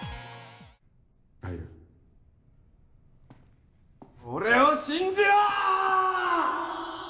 あゆ俺を信じろ。